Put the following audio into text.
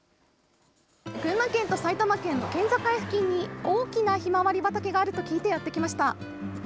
群馬県と埼玉県の県境付近に大きなひまわり畑があると聞いてやってきました。